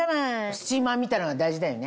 スチーマーみたいなのが大事だよね。